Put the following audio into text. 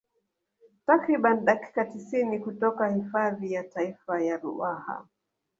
Takriban dakika tisini kutoka hifadhi ya taifa ya Ruaha